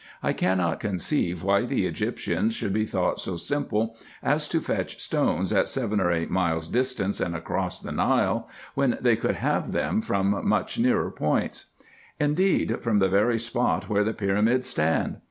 I cannot conceive why the Egyptians should be thought so simple, as to fetch stones at seven or eight miles n n 2 276 RESEARCHES AND OPERATIONS distance, and across the Nile, when they could have them from much nearer points ; indeed from the very spot where the pyramids stand.